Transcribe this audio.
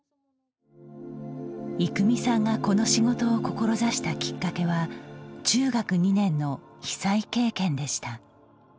育美さんがこの仕事を志したきっかけは中学２年の被災経験でした。